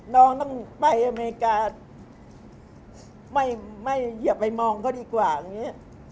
น้องต้องไปอเมริกาไม่เหยียบไปมองเขาดีกว่าอย่างนี้